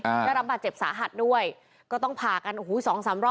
ได้รับบาดเจ็บสาหัสด้วยก็ต้องผ่ากันโอ้โหสองสามรอบ